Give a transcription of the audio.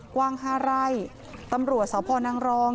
กว้าง๕ไร่ตำรวจสพนังรอง